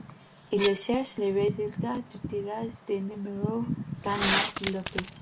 Il recherche les résultats du tirage des numéros gagnants du loto.